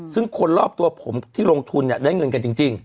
ซึ่งคนรอบตัวผมที่ลงทุนได้เงินกันจริง